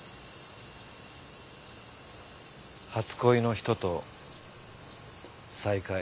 初恋の人と再会。